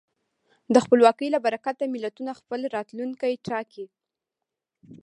د خپلواکۍ له برکته ملتونه خپل راتلونکی ټاکي.